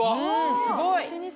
すごい！